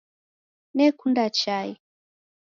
Nekunda chai